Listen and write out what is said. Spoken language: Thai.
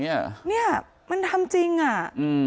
เนี่ยมันทำจริงอ่ะ